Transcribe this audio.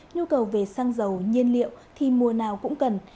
nhu cầu về xăng dầu nhiên liệu thì mùa nào cũng cần